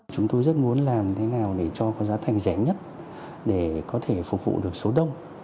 chúng tôi rất muốn làm thế nào để cho có giá thành rẻ nhất để có thể phục vụ được số đông